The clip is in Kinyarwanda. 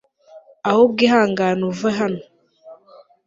ahubwo ihangane uve hano